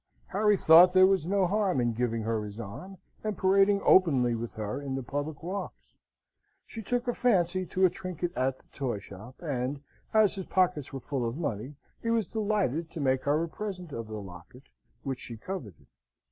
Harry thought there was no harm in giving her his arm, and parading openly with her in the public walks. She took a fancy to a trinket at the toy shop; and, as his pockets were full of money, he was delighted to make her a present of the locket, which she coveted.